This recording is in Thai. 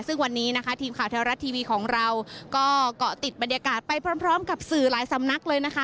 ซึ่งวันนี้นะคะทีมข่าวเทวรัฐทีวีของเราก็เกาะติดบรรยากาศไปพร้อมกับสื่อหลายสำนักเลยนะคะ